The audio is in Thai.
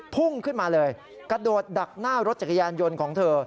พุ่งขึ้นมาเลยกระโดดดักหน้ารถจักรยานยนต์ของเธอ